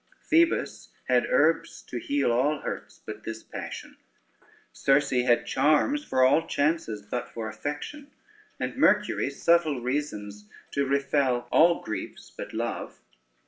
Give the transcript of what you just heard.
Phoebus had herbs to heal all hurts but this passion; Circes had charms for all chances but for affection, and Mercury subtle reasons to refel all griefs but love.